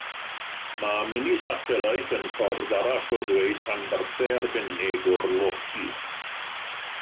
Mae minisatellite yn ffordd arall o ddweud rhanbarthau arbennig o'r loci.